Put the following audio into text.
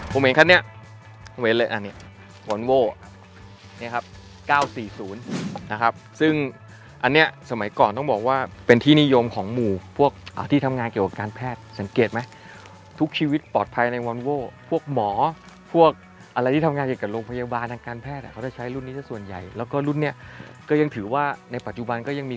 ผมเห็นคันนี้วอนโว้เนี่ยครับ๙๔๐นะครับซึ่งอันนี้สมัยก่อนต้องบอกว่าเป็นที่นิยมของหมู่พวกที่ทำงานเกี่ยวกับการแพทย์สังเกตไหมทุกชีวิตปลอดภัยในวอนโว้พวกหมอพวกอะไรที่ทำงานเกี่ยวกับโรงพยาบาลทางการแพทย์เขาจะใช้รุ่นนี้สักส่วนใหญ่แล้วก็รุ่นนี้ก็ยังถือว่าในปัจจุบันก็ยังมี